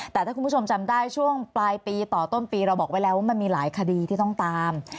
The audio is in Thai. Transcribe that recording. แต่ถ้าคุณผู้ชมจำได้ช่วงปลายปีต่อต้นปีเราบอกไว้แล้วว่ามันมีหลายคดีที่ต้องตาม